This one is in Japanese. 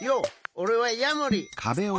おれはヤモリ！